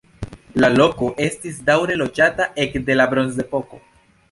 La loko estis daŭre loĝata ekde la bronzepoko.